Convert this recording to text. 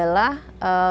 program lainnya adalah